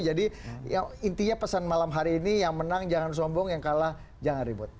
jadi intinya pesan malam hari ini yang menang jangan sombong yang kalah jangan ribut